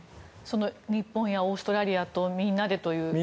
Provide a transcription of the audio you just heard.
日本やオーストラリアとみんなでという。